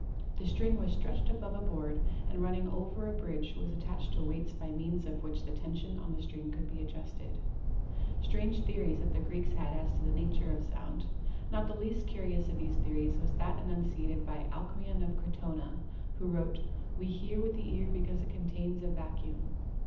The string was stretched above a board, and run ning over a bridge was attached to weights by means of which the tension on the string could be adjusted. Strange theories the Greeks had as to the nature of sound. Not the least curious of these theories was that enunciated by Alcmaeon of Crotona, who wrote: "We hear with the ear because it contains a vacuum"